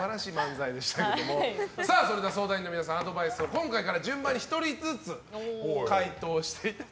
それでは相談員の皆さんアドバイスを今回から順番に１人ずつ、回答していただきます。